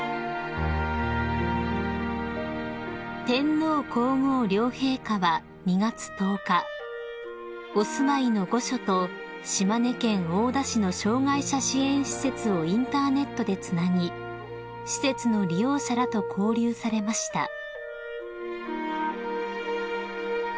［天皇皇后両陛下は２月１０日お住まいの御所と島根県大田市の障害者支援施設をインターネットでつなぎ施設の利用者らと交流されました］